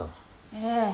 ええ。